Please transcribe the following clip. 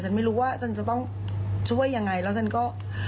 ไม่รู้ว่าฉันจะต้องช่วยยังไงแล้วฉันก็